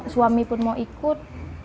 suami pun mau ikut